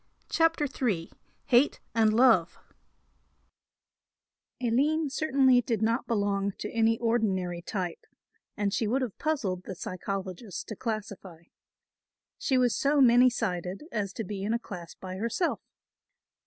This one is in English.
CHAPTER III HATE AND LOVE Aline certainly did not belong to any ordinary type and she would have puzzled the psychologist to classify. She was so many sided as to be in a class by herself.